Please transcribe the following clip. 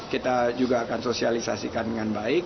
kita juga akan sosialisasikan dengan baik